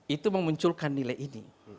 itu memunculkan nilai ini